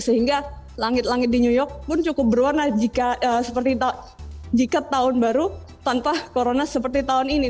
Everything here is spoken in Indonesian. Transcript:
sehingga langit langit di new york pun cukup berwarna jika tahun baru tanpa corona seperti tahun ini